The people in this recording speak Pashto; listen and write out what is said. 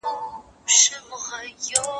زه به کتابونه وړلي وي؟